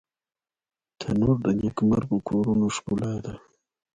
تنور د نیکمرغه کورونو ښکلا ده